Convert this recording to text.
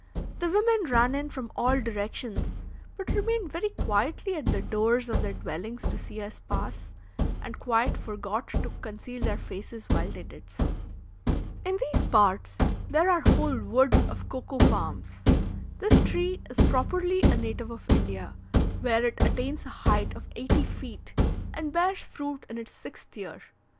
The women ran in from all directions, but remained very quietly at the doors of their dwellings to see us pass, and quite forgot to conceal their faces while they did so. In these parts, there are whole woods of cocoa palms. This tree is properly a native of India, where it attains a height of eighty feet, and bears fruit in its sixth year.